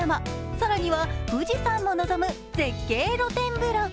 更には富士山も望む絶景露天風呂。